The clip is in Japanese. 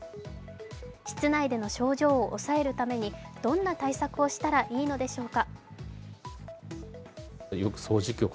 室内での症状を抑えるためにどんな対策をしたらいいのでしょうか。